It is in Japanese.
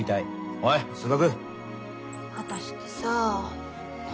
ほい数学。